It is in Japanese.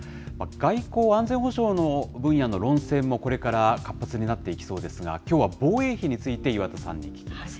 外交・安全保障の分野の論戦もこれから活発になっていきそうですが、きょうは防衛費について、岩田さんに聞きます。